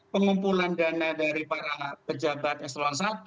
pengumpulan dana dari para pejabat sel satu